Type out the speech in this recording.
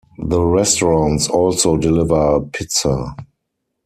The restaurants also deliver pizza.